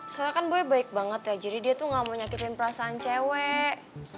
soalnya kan boy baik banget ya jadi dia tuh ga mau nyakitin perasaan cewek